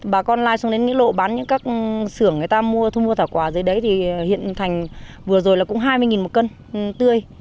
bà con lai xuống đến những lộ bán những các xưởng người ta mua thu mua thảo quả dưới đấy thì hiện thành vừa rồi là cũng hai mươi một cân tươi